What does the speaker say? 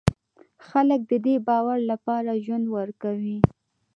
خلک د دې باور لپاره ژوند ورکوي.